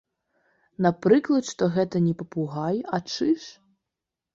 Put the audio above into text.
Напрыклад, што гэта не папугай, а чыж.